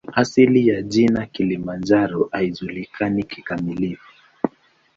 Asili ya jina "Kilimanjaro" haijulikani kikamilifu.